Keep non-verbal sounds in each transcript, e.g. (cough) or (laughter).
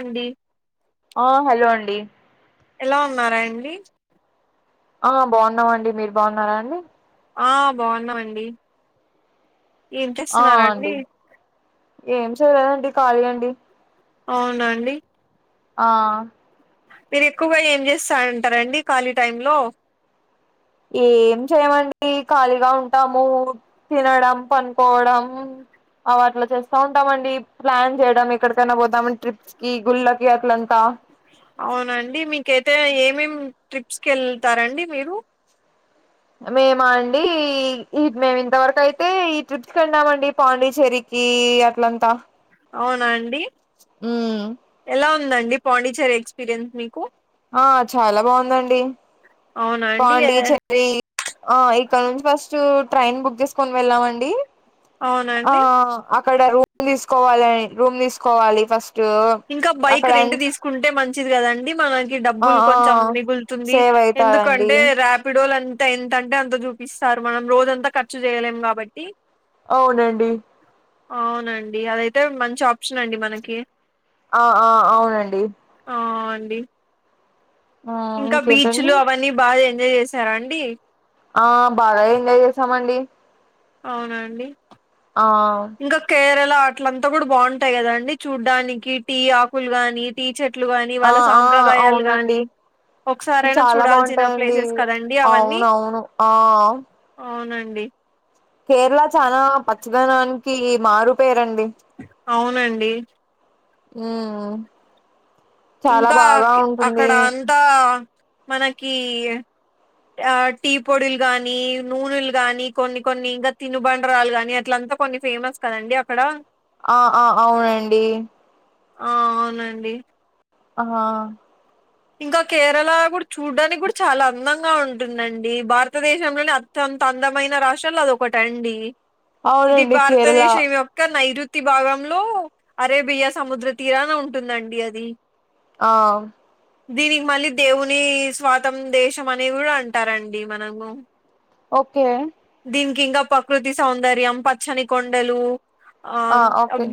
అండి ఆ హలో అండి ఎలా ఉన్నారండి ఆ బాగున్నామండి మీరు బాగున్నారా అండి ఆ బాగున్నామండి ఏం ఆ చేస్తున్నారండి అండి ఏం చేయలేదండి ఖాళీ అండి అవునాండి ఆ మీరు ఎక్కువగా ఏం చేస్తంటారండి ఖాళీ టైంలో ఏం చేయమండి ఖాళీగా ఉంటాము తినడం పండుకోవడం అవట్లా చేస్తా ఉంటామండి ప్లాన్ చేయడం ఎక్కడికైనా పోతామని ట్రిప్స్ కి గుళ్ళకి అట్లంతా అవునండి మీకైతే ఏమేమి ట్రిప్స్కి ఎళ్తారండి మీరు మేమా అండి మేము ఇంతవరకు అయితే ఈ ట్రిప్ కెళ్ళమండి పాండిచ్చేరి కీ అట్లంతా అవునా అండి హుమ్ ఎలా ఉందండి పాండిచేరి ఎక్స్పీరియన్స్ మీకు ఆ చాలా బాగుందండి అవునా అండి ఏ పాండిచేరి ఆ ఇక్కడ నుంచి ఫస్ట్ ట్రైన్ బుక్ చేసుకొని వెళ్ళామండి అవునా ఆ అండి అక్కడ రూమ్ తీసు తీసుకోవాలని రూమ్ తీసుకోవాలి ఫస్ట్ ఇంకా బైక్ అక్కడ రెంట్ అంత తీసుకుంటే మంచి మంచిది కదండి మనకి ఆ డబ్బులు ఆ కొంచెం మిగులుతుంది సేవ్ అయితదండి ఎందుకంటే రాపిడో ఎంత అంటే అంత చూపిస్తారు మనం రోజంతా ఖర్చు చేయలేం కాబట్టి అవునండి అవునండి. అదైతే మంచి ఆప్షన్ అండి మనకి ఆ ఆ అవునండి ఆ అండి ఆ ఇంకా ఇంకేంటండి బీచ్లు అవన్నీ బాగా ఎంజాయ్ చేసారా అండి ఆ బాగా ఎంజాయ్ చేసామండి అవునా అండి ఆ ఇంకా కేరల ఇలా అట్లంతా కూడా బాగుంటాయి కదండి చూడ్డానికి టీ ఆకులు గానీ టీ చెట్ ట్లు గాని ఆ వాళ్ళ ఆ సాంప్రదాయాలు అవునండి గాని ఒకసారైనా చాలా చూడాల్సిన బాగుంటాయండి ప్లేసెస్ కదండి అవన్నీ అవునవును ఆ అవును అండి కేరళ చానా పచ్చదనానికి మారు పేరండి అవునండి హ్ ఇంకా అక్కడ అంతా మనకి ఆ టీ పొడులు గాని నూనెలు గాని కొన్ని కొన్ని ఇంకా తినుబండరాలు గాని అట్లా అంత కొన్ని ఫేమస్ కదండి అక్కడ ఆ ఆ అవునండి ఆ అవునండి ఆ ఇంకా కేరళ కూడా చూడ్డానికి కూడా చాలా అందంగా ఉంటుందండి భారతదేశం లోనే అత్యంత ఇంత అందమైన రాష్ట్రాల్లో అది ఒకటండి ఇది అవునండి కేరళ భారతదేశం యేక్క నైరుతి తి భాగంలో అరేబియా సముద్ర తీరాన ఉంటుందండి. అది ఆ దీనికి మళ్ళీ దేవుని స్వాతం దేశం అనే కూడా అంటారండి. మనము ఓకే దీనీ ఇంకా ప్రకృతి సౌందర్యం పచ్చని కొండలు ఆ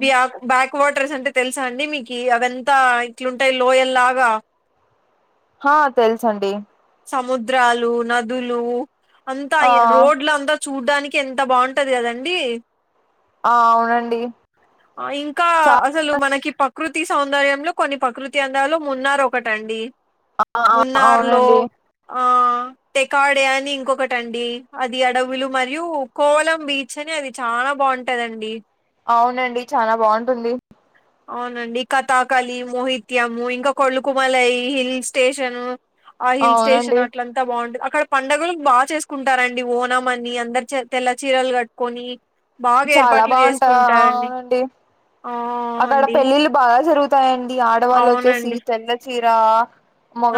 బ్యా బ్యా కోటర్స్ అంటే తెలుసా అండి మీకు అయంతా ఇట్లుంటాయి లోయల్ లాగా ఆ తెలుసండి సముద్రాలు నదులు అంతా ఆ రోడ్లు అంతా చూడ్డానికి ఎంత బాగుంటది కదండీ ఆ అవునండి ఇంకా చా అసలు మనకి ప్రకృతి సౌందర్యంలో కొన్ని ప్రకృతి అందాలు మున్నారు ఒకటండి ఆ ఆ మున్నార్ లో అవునండి ఆ టెకాడే అని ఇంకొకటండి అది అడవులు మరియు కోలం బీచ్ కని అది చాలా బాగుంటాదండి. అవునండి చాలా బాగుంటుంది అవునండి కథాకళి మోహిత్యము ఇంకా కొళ్ళకుమలై హిల్ స్టేషను ఆ హిల్ స్టేషన్ అవునండి అట్లంతా బాగు అక్కడ పండుగలు బాగా చేసుకుంటారండి ఓనం అని అందరు తెల్ల చీరలు కట్టుకొని బాగా చాలా ఏర్పాట్లు బాగుంటా ఆ చేసుకుంటారండి అవునండి ఆ అక్కడ అండి పెళ్ళిళ్ళు బాగా జరుగుతాయండి ఆడవాళ్ళు వచ్చేసి అవునండి. తెల్ల చీర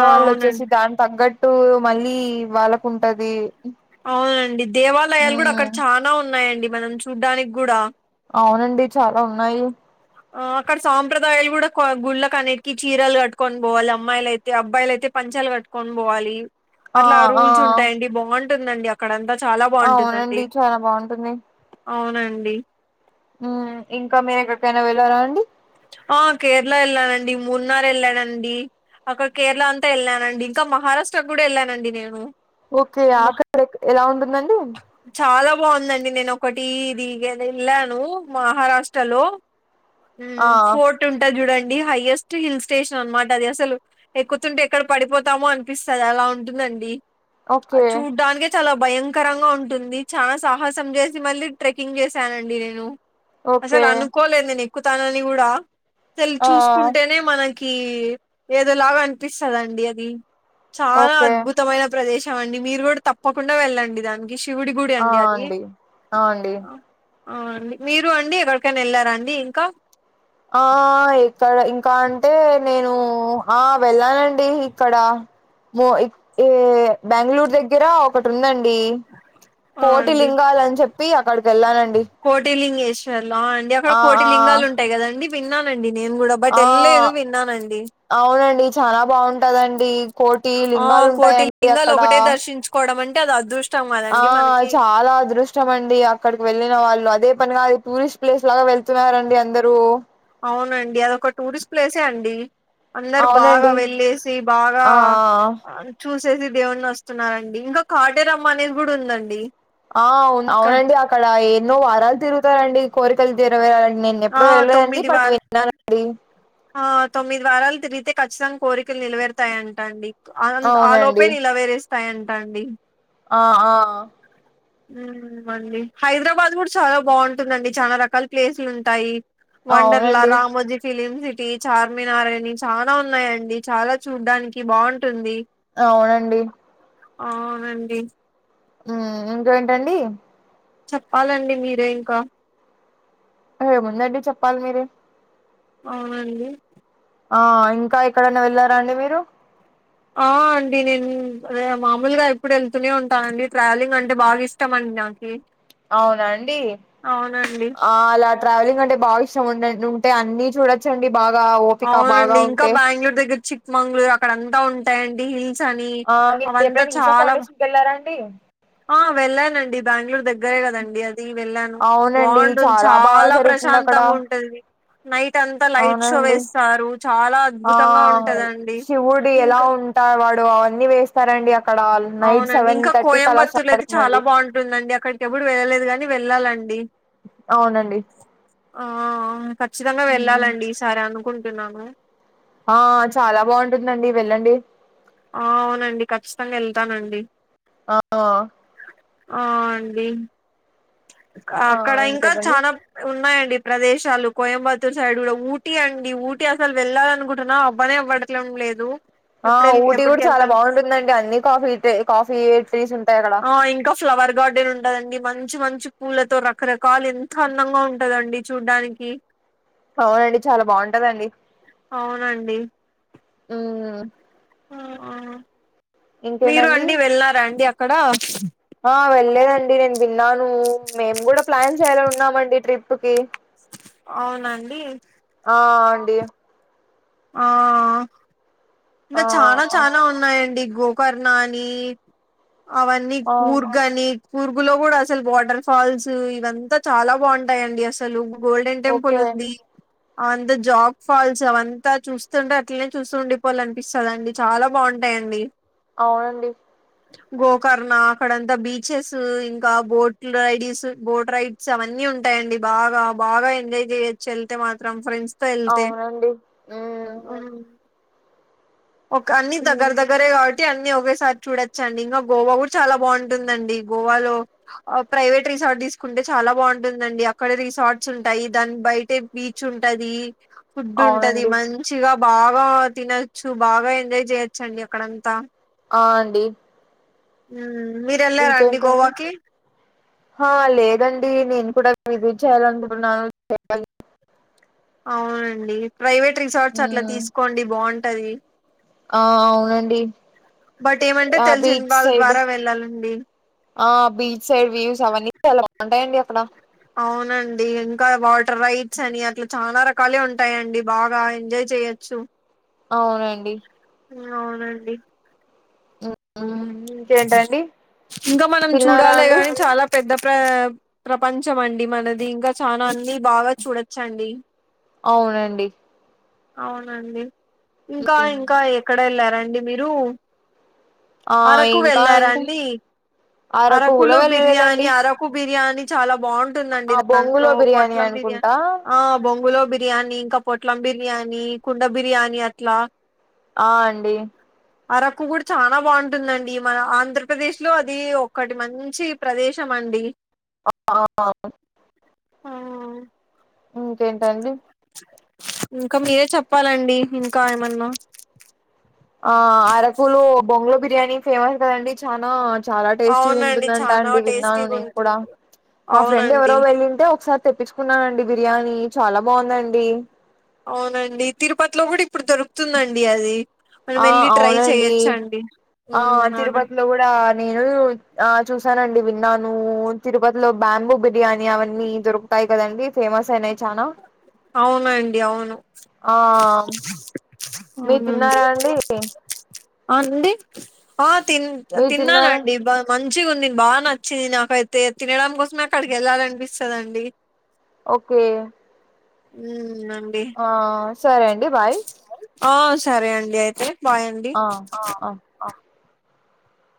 ఆ, వచ్చేసి అవునండి. దాని తగ్గట్టు మళ్ళ వాళ్ళకుంటది అవునండి. దేవాలయాలు కూడా అక్కడ చనా ఉన్నాయండి. మనం చూడ్డానికి కూడా అవునండి. చాలా ఉన్నాయి ఆ అక్కడ సాంప్రదాయాలు కూడా గుళ్ళకు అన్నిటికి చీరలు కట్టుకొని పోవాలి అమ్మాయిలు అయితే అబ్బాయిలు అయితే పంచాలు కట్టుకొని పోవాలి ఆ అట్లా ఆ రూల్స్ ఉంటాయిడి బాగుంటుందండి. అక్కడంత చాలా బాగుంటుందండి అవునండి చాలా బాగుంటుంది అవునండి ఉమ్మ్ ఇంకా మీరెక్కడికైనా వెళ్ళారా అండి ఆ కేరళ ఎళ్ళానండి మూన్నార్ ఎళ్ళానండి అక్కడ కేరళ అంతా ఎళ్ళానండి ఇంకా మహారాష్ట్ర కూడా ఎళ్ళానండి నేను ఓకే మా అక్కడ ఎక్ ఎలా ఉంటుందండి చాలా బాగుందండి నేను ఒకటి వీకెండ్ ఎళ్లాను మహారాష్ట్రలో ఆ హ్మ్. ఫోర్ట్ ఉంటది చూడండి హైయెస్ట్ హిల్ స్టేషన్ అనమాట అది అసలు ఎక్కుతుంటే ఎక్కడ పడిపోతామో అనిపిస్తది అలా ఉంటుందండి ఓకే చూడ్డానికే చాలా భయంకరంగా ఉంటుంది చానా సాహసం చేసి మళ్ళీ ట్రెక్కింగ్ చేశానండి నేను అసలు ఓకే అనుకోలేదు నేను ఎక్కుతానని కూడా అసలు ఆ చూసుకుంటేనే మన కి ఏదోలాగా అనిపిస్తాదండి అది చాలా ఓకే అద్భుతమైన ప్రదేశ మండి మీరు కూడా తప్పకుండా వెళ్ళండి దానికి శివుడి గుడి అండి అది ఆ అండి ఆ అండి మీరు అండి ఎక్కడికైనా ఎళ్ళారాండి ఇంకా ఆ ఇక్కడ ఇంకా అంటే నేను ఆ వెళ్ళానండి ఇక్కడ మో ఈ బెంగళూరు దగ్గర ఒకటి ఉందం డి ఆ కోటి అండి లింగాలు అని చెప్పి అక్కడికి ఎళ్ళానండి శ్వేర్లో అండి అక్కడ కోటి లింగాలు ఉంటాయి కదండి విన్నానండి నేను కూడా బట్ ఆ వెళ్ళలేదు విన్నానండి అవునండి చానా బాగుంటదండి కోటి ఆ లింగాలు ఉంటాయండి అక్కడ టే అది అదృ ఆ చాలా అదృష్టమండి అక్కడికి వెళ్ళిన వాళ్ళు అదే పనిగా అది టూరిస్ట్ ప్లేస్ లాగా వెళ్తున్నారండి అందరుూ అవునండి అది ఒక టూరిస్ట్ ప్లేసే అండి అందరు బాగా అవునండి వెళ్ళేసి బాగా ఆ ఆ చూ సేసి దేవుడిని వస్తున్నారండి ఇంకా కాటేరమ్మ అనేది కూడా ఉందండి ఆ అవును ఇక్కడ అవునండి అక్కడ ఎన్నో వారాలు తిరుగుతారండి కోరికలు తీరవేరాల నేను ఆ ఎప్పుడూ వెళ్ళలేదండి తొమ్మిది బట్ వార విన్నానండి ఆ తొమ్మిది వారాలు తిరిగితే ఖచ్చితంగా కోరికలు నేలవేరుతాయంట అండి ఆ లోపే అవునండి నిలవేరేస్తాయంట అండి ఆ ఆ ఉమ్మ్ అండి హైదరాబాద్ కూడా చాలా బాగుంటుందండి చాలా రకాల ప్లేసులు ఉంటాయి వండర్లా అవునండి రామోజీ ఫిలిమ్ సిటీ చార్మినార్ అని చానా ఉన్నాయంండి చాలా చూడ్డానికి బాగుంటుంది అవునండి అవునండి ఉమ్మ్ ఇంకేంటండి చెప్పాలండి మీరే ఇంకా ఏముందండి చెప్పాలి మీరే అవునండి ఆ ఇంకా ఎక్కడన్నా వెళ్లారాండి మీరు ఆ అండి నేను మామూలుగా ఎప్పుడు ఎళ్తూనే ఉంటానండి ట్రావెలింగ్ అంటే బాగా ఇష్టమం నాకి అవునాండి అవునండి ఆ అలా ట్రావెలింగ్ అంటే బాగా ఉండేటు ఉంటే అన్ని చూడొచ్చండి బాగా ఓపిక ఉంటే మంగళూరు అక్కడ అంతా ఉంటాయండి హిల్స్ అని ఆ మీరు అవంతా ఎప్పుడైనా ఈషా చాలా ఫౌండేషన్ కి వెళ్ళారా అండి ఆ వెళ్ళానండి బెంగళూరు దగ్గరే కదండి. వెళ్ళాను అవునండి బాగుంటుంది. బాగా చాలా జరుగుతుంది అక్కడ ప్రశాంతంగా ఉంటాది. నైట్ అంతా లైట్స్ అవునండి వేస్తారు చాలా ఆ అద్భుతంగా ఉంటందండి. శివుడు ఎలా ఇంకా ఉంటా వాడు అవన్నీ వేస్తారండి. అక్కడ నైట్ అవునండి సెవెన్ ఇంకా థర్టీ కి అలా కోయంబత్తూర్ లో స్టార్ట్ అయితే చాలా అవుతుందండి బాగుంటుందండి. అక్కడికి ఎప్పుడు వెళ్ళలేదు గాని. వెళ్ళాలండి. అవునండి ఆ ఖచ్చితంగా వెళ్ళాలండి ఈసారి అనుకుంటున్నాను. ఆ చాలా బాగుంటుందండి. వెళ్ళండి ఆ అవునండి ఖచ్చితంగా వెళ్తానండి. ఓహో అ అండి ఆ అక్కడ ఇంకా ఇంకేంటండి చాలా ఉన్నాయండి ప్రదేశాలు. కోయంబత్తూర్ సైడ్ కూడా ఊటీ అండి, ఊటీ అసలు వెళ్ళాలి అనుకుంటున్నా అబ్బనే అవ్వటమ్ లేదు. ఆ ఎప్పుడెళ్ ఊటీ కూడా చాలా ఎప్పటికెళ్తాం బాగుంటుందండి అన్నీ కాఫీ ట్రీస్ ఉంటాయి అక్కడ ఆ ఇంకా ఫ్లవర్ గార్డెన్ ఉంటాయండి. మంచి మంచి పూలతో రకరకాలు ఎంతో అందంగా ఉంటాదండి చూడ్డానికి. అవునండి చాలా బాగుంటాదండి. అవునండి మ్ మీరు ఇంకేంటండి అండి వెళ్ళారా అండి అక్కడ ఆ వెళ్లేదండి. నేను విన్నాను మేము కూడా ప్లాన్ చేయాలని ఉన్నామండి ట్రిప్ కి అవునానండి. ఆ అండి ఆ ఆ ఇంకా చాలా చానా ఉన్నాయండి. గోకర్ణ అని, అవన్నీ, ఆ గూర్గ్ అని గూగుల్ లో కూడా అసలు వాటర్ ఫాల్స్ ఇవంతా చాలా బాగుంటాయండి అసలు. గోల్డెన్ టెంపుల్ ఓకే ఉంది. అంతా జోగ్ ఫాల్స్ అవంతా చూస్తుంటే అట్లనే చూస్తుండి పోవాలని పిస్తాది. చాలా బాగుంటాయండి. అవునండి గోకర్ణ అక్కడంతా బీచెస్ ఇంకా బోట్ రైడిస్ బోట్ రైడ్స్ అవన్నీ ఉంటాయండి. బాగా బాగా ఎంజాయ్ చేయొచ్చు. వెళ్తే మాత్రం ఫ్రెండ్స్ వెళ్తే అవునండి ఉమ్ ఒక అన్నీ దగ్గర ఉమ్, దగ్గరే కాబట్టి అన్నీ ఒకే సారి చూడొచ్చు అండి. ఇంకా గోవా కూడా చాలా బాగుంటుందండి. గోవాలో ప్రైవేట్ రిసార్ట్ తీసుకుంటే చాలా బాగుంటుందండి. అక్కడ రిసార్ట్స్ ఉంటాయి దాని బయట బీచ్ ఉంటాది. ఫుడ్ ఉంటది అవునండి మంచిగా బాగా తినొచ్చు. బాగా ఎంజాయ్ చేయొచ్చుండి అక్కడంతా ఆ అండి మ్ ఇంకేంటండి. ఆ లేదండి నేను కూడా మేము కూడా విజిట్ అనుకున్నాం చెప్ప అవునండి ప్రైవేట్ రిసార్ట్స్ అట్లా ఉమ్ తీసుకోండి బాగుంటాది. ఆ అవునండి బట్ ఏమంటే ఆ తెలిసిన బీచ్ వాళ్ళ సైడ్ ద్వారా వెళ్ళాలండి ఆ బీచ్ సైడ్ వ్యూస్ అవన్నీ చాలా బాగుంటాయండి అక్కడ అవునండి ఇంకా వాటర్ రైడ్స్ అని అట్లా చాలా రకాలే ఉంటాయంండి బాగా ఎంజాయ్ చేయచ్చు అవునండి అవునండి ఇంకేంటండి ఇంకా మనం తిన్నారా చూడాలే అండి గాని చాలా పెద్ద ప్ర ప్రపంచం అండి మనది ఇంకా చాలా అన్ని బాగా చూడొచ్చండి అవునండి అవునండి ఇంకా ఇంకా ఎక్కడ వెళ్ళారాండి మీరు ఆ అరకు ఇంకా అంటే వెళ్ళారాండి అరకు కూడా అరకులో బిర్యాని వెళ్ళలేదండి అరకు బిర్యానీ (unintelligible) చాలా బాగుంటుందండి ఆ దాంట్లో బొంగులో బిర్యానీ పట్లం బిర్యా అనుకుంటా బొంగులో బిర్యానీ బిర్యానీ ఇంకా పొట్లం బిర్యానీ కుండ బిర్యానీ అట్లా ఆ అండి అరకు కూడా చాలా బాగుంటుందండి మన ఆంధ్రప్రదేశ్ లో అది ఒకటి మంచి ప్రదేశం అ డి ఆ ఆ (inaudible) ఇంకేంటండి ఇంకా మీరే చెప్పాలండి ఇంకా ఏమన్నా ఆ అరకులు బొంగలో బిర్యానీ ఫేమస్ కదండి చనా చాలా టేస్టీ అవునండి ఉంటుందంట చాలా అండి విన్నాను టేస్టీగా నేను కూడా ఉంటుంది మా ఫ్రెండ్ ఎవరో అవునండి వెళ్ళింటే ఒకసారి తెప్పించుకున్నానండి బిర్యానీ చాలా బాగుందండి అవునండి తిరుపతిలో కూడా ఇప్పుడు దొరుకుతుందండి అది మనం ఆ వెళ్ళి ట్రై అవునండి చెయొచ్చండి ఆ ఉమ్ అవును తిరుపతిలో కూడా నేను ఆ చూసానండి విన్నాను తిరుపతిలో బ్యాంబు బిర్యానీ అవన్నీ దొరుకుతాయి కదండి ఫేమస్ అయిన చనా అవునండి అవును ఆ మీరు అవునండి తిన్నారా అండి ఆ అండి ఆ తిన్ మీరు తిన్నారా తిన్నానండి బ మన్ మంచిగా ఉంది బాగా నచ్చింది నాకైతే తినడం కోసమే అక్కడికి వెళ్ళాలి అనిపిస్తదండి ఓకే ఉమ్ అండి ఆ సరే అండి బాయ్ ఆ సరే అండి అయితే బాయండి ఆ ఆ